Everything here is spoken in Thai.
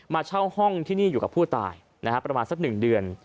มาเช่าห้องที่นี่อยู่กับผู้ตายนะครับประมาณสักหนึ่งเดือน